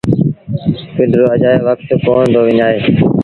پنڊرو اَجآيو وکت ڪونا دو وڃآئي